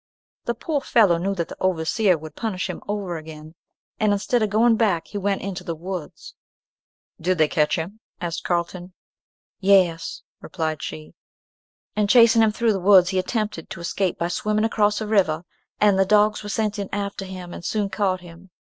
The poor fellow knew that the overseer would punish him over again, and instead of going back he went into the woods." "Did they catch him?" asked Carlton. "Yes," replied she. "In chasing him through the woods, he attempted to escape by swimming across a river, and the dogs were sent in after him, and soon caught him.